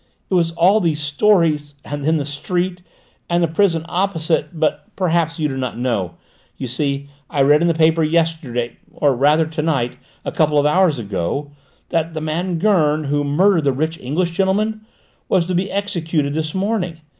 "It was all these stories, and then the street, and the prison opposite: but perhaps you do not know; you see, I read in the paper yesterday, or rather to night, a couple of hours ago, that that man Gurn, who murdered the rich English gentleman, was to be executed this morning.